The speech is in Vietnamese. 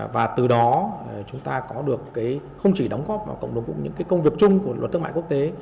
và từ đó chúng ta có được cái không chỉ đóng góp vào những cái công việc chung của luật thương mại quốc tế